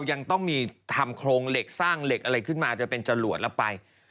ยังต้องมีทำโครงเหล็กสร้างเหล็กอะไรขึ้นมาอาจจะเป็นจรวดแล้วไป